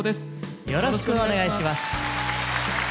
よろしくお願いします。